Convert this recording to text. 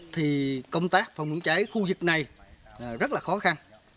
thì công tác phòng cháy khu vực này rất là khó khăn